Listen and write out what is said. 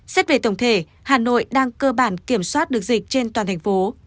xét về tổng thể hà nội đang cơ bản kiểm soát được dịch trên toàn thành phố